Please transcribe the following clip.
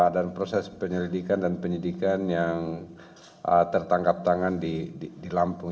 dan proses penyelidikan dan penyidikan yang tertangkap tangan di lampung